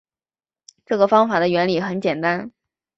这个方法的原理很简单